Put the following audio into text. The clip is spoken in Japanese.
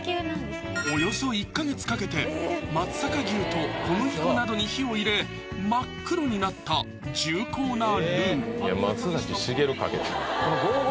およそ１か月かけて松阪牛と小麦粉などに火を入れ真っ黒になった重厚な